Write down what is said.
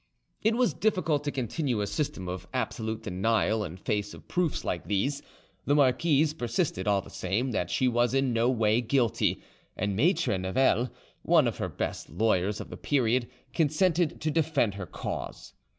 It was difficult to continue a system of absolute denial in face of proofs like these. The marquise persisted, all the same, that she was in no way guilty; and Maitre Nivelle, one of the best lawyers of the period, consented to defend her cause.